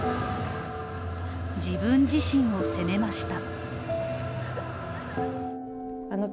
自分自身を責めました。